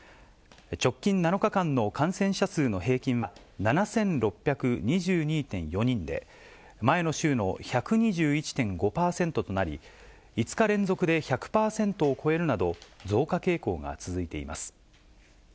直近７日間の感染者数の平均は７６２２．４人で、前の週の１２１．５％となり、５日連続で１００％を超えるなど、増加傾向が続いています。